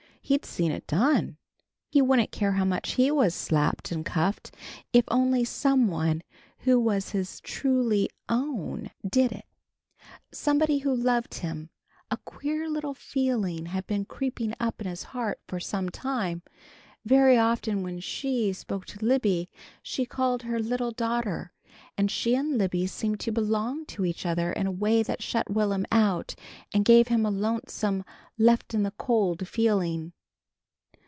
He'd seen it done. He wouldn't care how much he was slapped and cuffed, if only somebody who was his truly own did it. Somebody who loved him. A queer little feeling had been creeping up in his heart for some time. Very often when She spoke to Libby she called her "little daughter" and she and Libby seemed to belong to each other in a way that shut Will'm out and gave him a lonesome left in the cold feeling.